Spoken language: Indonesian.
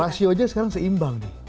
rasio aja sekarang seimbang nih